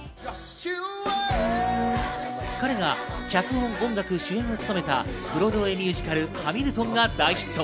彼が脚本、音楽、主演を務めたブロードウェーミュージカル・『ハミルトン』が大ヒット。